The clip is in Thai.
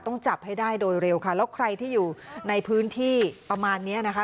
ต้องจับให้ได้โดยเร็วค่ะแล้วใครที่อยู่ในพื้นที่ประมาณเนี้ยนะคะ